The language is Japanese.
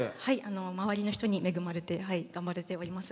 周りの人に恵まれて頑張れております。